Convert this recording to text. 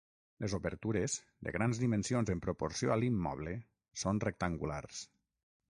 Les obertures, de grans dimensions en proporció a l'immoble, són rectangulars.